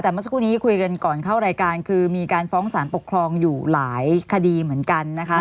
แต่เมื่อสักครู่นี้คุยกันก่อนเข้ารายการคือมีการฟ้องสารปกครองอยู่หลายคดีเหมือนกันนะคะ